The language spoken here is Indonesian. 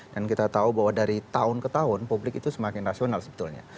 dan kita tahu bahwa dari tahun ke tahun publik itu semakin rasional sebetulnya